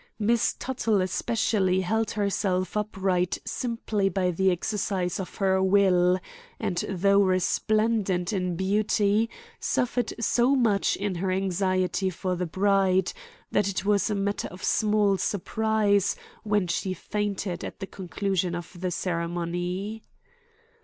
Miss Tuttle especially held herself upright simply by the exercise of her will; and though resplendent in beauty, suffered so much in her anxiety for the bride that it was a matter of small surprise when she fainted at the conclusion of the ceremony.